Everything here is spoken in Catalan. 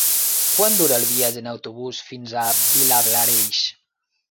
Quant dura el viatge en autobús fins a Vilablareix?